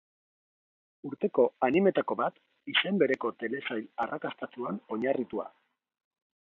Urteko anime-tako bat, izen bereko telesail arrakastatsuan oinarritua.